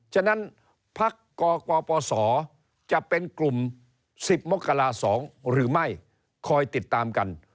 ฉะนั้นพักกปศจะเป็นกลุ่ม๑๐มกรา๒หรือไม่คอยติดตามกัน